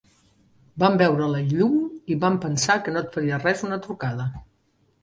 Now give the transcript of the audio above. Vam veure la llum, i vam pensar que no et faria res una trucada.